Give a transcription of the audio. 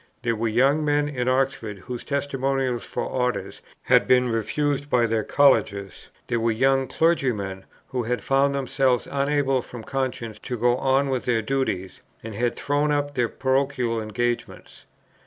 There were young men in Oxford, whose testimonials for Orders had been refused by their Colleges; there were young clergymen, who had found themselves unable from conscience to go on with their duties, and had thrown up their parochial engagements.